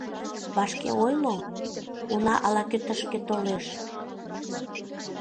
Вашке ойло: уна ала-кӧ тышке толеш...